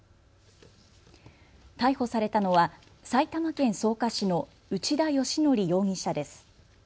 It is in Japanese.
逮捕されたのは埼玉県草加市の内田佳伯容疑者です。